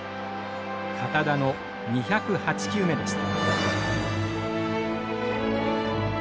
堅田の２０８球目でした。